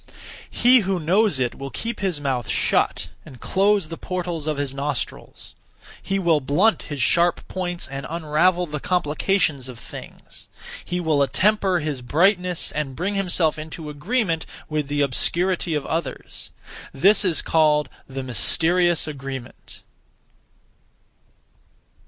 He (who knows it) will keep his mouth shut and close the portals (of his nostrils). He will blunt his sharp points and unravel the complications of things; he will attemper his brightness, and bring himself into agreement with the obscurity (of others). This is called 'the Mysterious Agreement.'